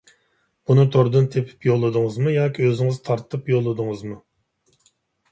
بۇنى توردىن تېپىپ يوللىدىڭىزمۇ ياكى ئۆزىڭىز تارتىپ يوللىدىڭىزمۇ؟